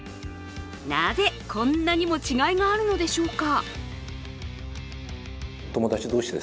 なぜこんなにも違いがあるのでしょうか。